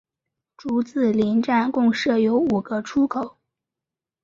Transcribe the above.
竹子林站共设有五个出口。